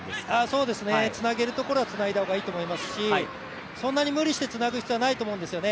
そうですね、つなげるところはつないだ方がいいと思いますし、そんなに無理してつなぐ必要はないと思うんですね。